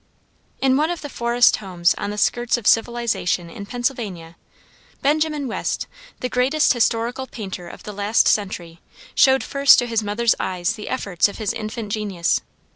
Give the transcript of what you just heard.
In one of the forest homes on the skirts of civilization in Pennsylvania, Benjamin West, the greatest historical painter of the last century, showed first to his mother's eyes the efforts of his infant genius.